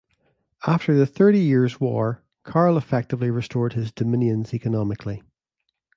After the Thirty Years' War Karl effectively restored his dominions economically.